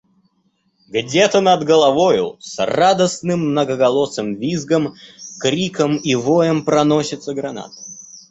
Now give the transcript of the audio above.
Где-то, над головою, с радостным, многоголосым визгом, криком и воем проносится граната.